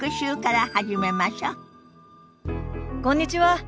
こんにちは。